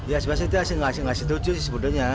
ya sebetulnya itu nggak setuju sih sebetulnya